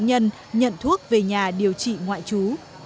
nhân nhận thuốc về nhà điều trị ngoại trú